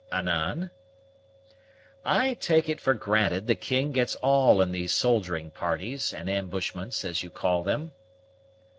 "Anan?" "I take it for granted the king gets all in these soldiering parties, and ambushments, as you call them."